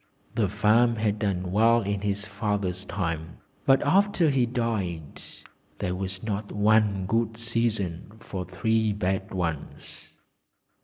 The farm had done well in his father's lifetime, but after he died there was not one good season for three bad ones.